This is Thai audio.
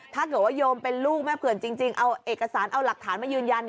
ถ้าเกิดว่าโยมเป็นลูกแม่เผื่อนจริงเอาเอกสารเอาหลักฐานมายืนยัน